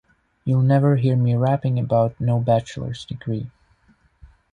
You'll never hear me rapping about no bachelor's degree.